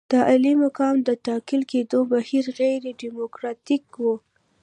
د عالي مقام د ټاکل کېدو بهیر غیر ډیموکراتیک وو.